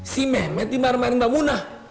si mehmet dimarahin sama temuna